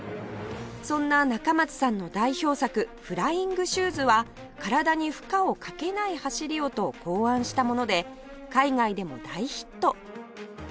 そんな中松さんの代表作フライングシューズは体に負荷をかけない走りをと考案したもので海外でも大ヒット